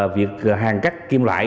việc hàng cắt kim loại